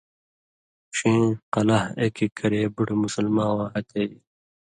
ݜېں قلاہہۡ اېک اېک کرے بُٹہۡ مُسلماواں ہتے ایل۔